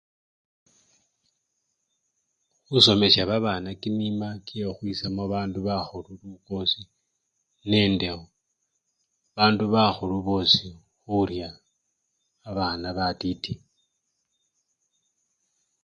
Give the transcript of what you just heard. Khusomesya babana kimima kyekhukhwisamo bandu bakhulu lukosi nende bandu bakhulu bosi khurya babana batiti.